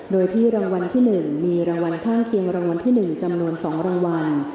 โดยที่รางวัลที่๑มีรางวัลข้างเคียงรางวัลที่๑จำนวน๒รางวัล